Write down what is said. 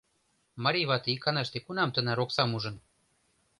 Марий вате иканаште кунам тынар оксам ужын?